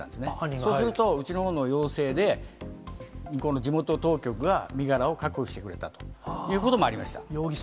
そうすると、うちのほうの要請で、向こうの地元当局が身柄を確保してくれたということもありました。